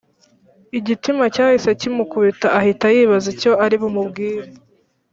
igitima cyahise kimukubita ahita yibaza icyo aribumubwire,